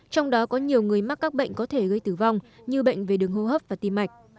trong đó có nhiều người mắc các bệnh có thể gây tử vong như bệnh về đường hô hấp và tim mạch